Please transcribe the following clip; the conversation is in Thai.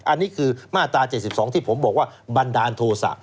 อันนี้คือมาตรา๗๒ที่ผมบอกว่าบันดาลโทษะ